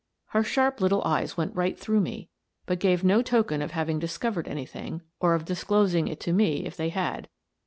" Her sharp little eyes went right through me, but gave no token of having discovered anything, or of disclosing it to me if they had.